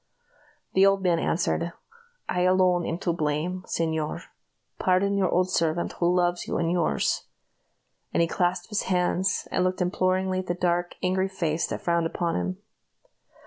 The old man only answered, "I alone am to blame, señor. Pardon your old servant, who loves you and yours!" and he clasped his hands, and looked imploringly at the dark, angry face that frowned upon him.